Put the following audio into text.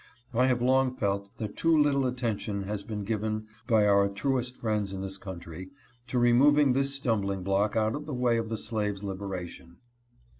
I have long felt that too little attention has been given by our truest friends in this country to removing this stumbling block out of the way of the slave's liberation.